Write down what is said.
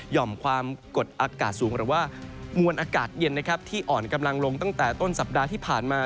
่อมความกดอากาศสูงหรือว่ามวลอากาศเย็นนะครับที่อ่อนกำลังลงตั้งแต่ต้นสัปดาห์ที่ผ่านมา